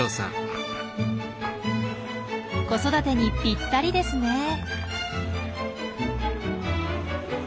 子育てにぴったりですね。